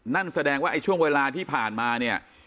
นั่นแสดงว่าไอ้ช่วงเวลาที่ผ่านมาเนี่ย